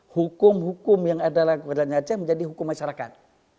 hukum hukum yang ada di aceh menjadi hukum masyarakat